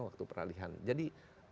waktu peralihan jadi